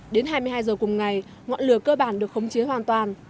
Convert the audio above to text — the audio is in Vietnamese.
đến hai mươi hai h cùng ngày ngọn lửa cơ bản được khống chế hoàn toàn